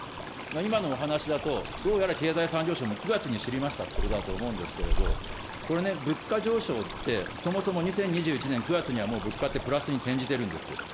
今のお話だと、どうやら経済産業省も９月に知りましたということだと思うんですけれども、これね、物価上昇って、そもそも２０２１年９月にはもう物価ってプラスに転じてるんですよ。